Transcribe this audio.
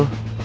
tunggu ya put